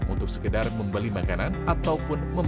untuk sekedar membeli makanan ataupun membeli